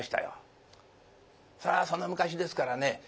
それはその昔ですからね